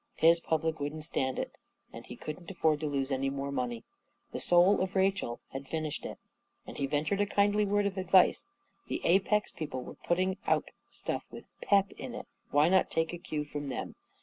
His public wouldn't stand it, and he couldn't afford to lose any more money. " The Soul of Rachel " had finished it. And he ventured a kindly word of advice : the Apex people were putting out stuff with pep in it — why not take the cue from them?